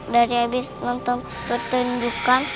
dari abis nonton pertunjukan